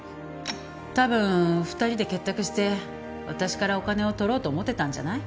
多分２人で結託して私からお金を取ろうと思ってたんじゃない？